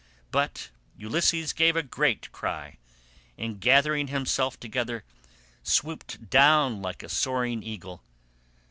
But Ulysses gave a great cry, and gathering himself together swooped down like a soaring eagle.